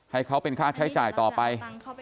ให้เขาเป็นค่าใช้จ่ายต่อไป